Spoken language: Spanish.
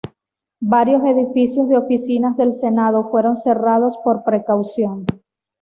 Varios edificios de oficinas del Senado fueron cerrados por precaución.